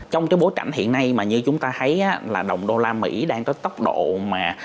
trong cái bối cảnh hiện nay mà như chúng ta thấy là đồng đô la mỹ đang có tốc độ mà